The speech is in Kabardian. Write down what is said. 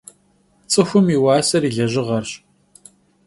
Ts'ıxum yi vuaser yi lejığerş.